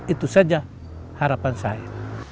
itu saja harapan saya